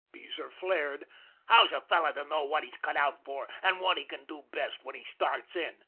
Beezer flared. "How's a fellow to know what he's cut out for, and what he can do best, when he starts in?